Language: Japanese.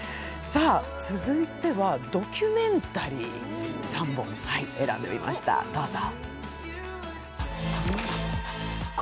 続いてはドキュメンタリー３本選んでみました、どうぞ。